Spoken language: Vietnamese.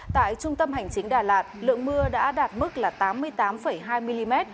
tại trung tâm hành chính đà lạt lượng mưa đã đạt mức là tám mươi tám hai mm